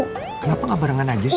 kenapa gak barengan aja sih